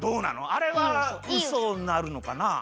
あれはウソになるのかな？